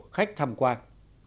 khách tham quan